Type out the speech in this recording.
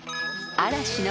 ［嵐の］